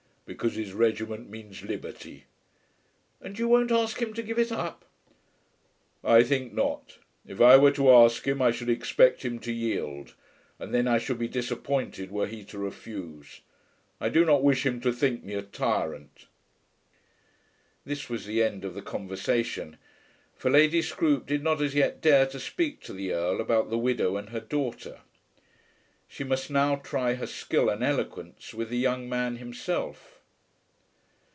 "Because his regiment means liberty." "And you won't ask him to give it up?" "I think not. If I were to ask him I should expect him to yield, and then I should be disappointed were he to refuse. I do not wish him to think me a tyrant." This was the end of the conversation, for Lady Scroope did not as yet dare to speak to the Earl about the widow and her daughter. She must now try her skill and eloquence with the young man himself.